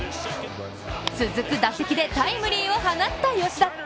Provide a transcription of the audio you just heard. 続く打席でタイムリーを放った吉田。